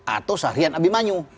atau syahrian abimanyu